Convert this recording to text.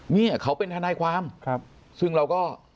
เนี่ยเขาเป็นทนายความซึ่งเราก็